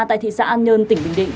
tại thị xã an nhơn tỉnh bình định